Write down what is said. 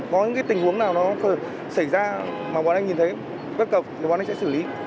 có những tình huống nào nó xảy ra mà bọn anh nhìn thấy bất cập thì bọn anh sẽ xử lý